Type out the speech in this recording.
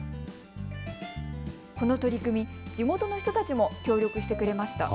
この取り組み、地元の人たちも協力してくれました。